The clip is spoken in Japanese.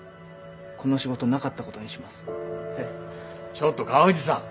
ちょっと川藤さん。